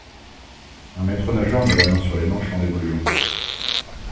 Un maître-nageur met la main sur les manches en évoluant.